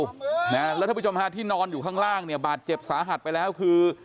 แล้วท่านผู้ชมฮะที่นอนอยู่ข้างล่างเนี่ยบาดเจ็บสาหัสไปแล้วคือ